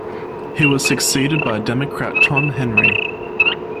He was succeeded by Democrat Tom Henry.